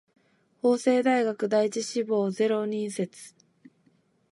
法政大学第一志望ゼロ人説